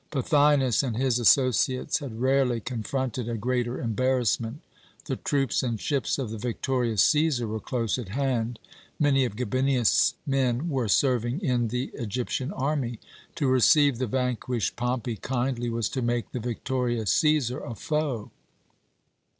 Pothinus and his associates had rarely confronted a greater embarrassment. The troops and ships of the victorious Cæsar were close at hand; many of Gabinius' men were serving in the Egyptian army. To receive the vanquished Pompey kindly was to make the victorious Cæsar a foe.